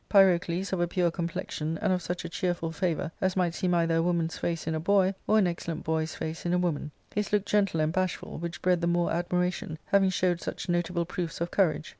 Pyrocles of a pure complexion, and of such a cheerful favour as might seem either a woman's face in a boy, or an excellent boy's face in a woman ; his look gentle and bashful, which bred the more admiration, having showed such notable proofs of courage.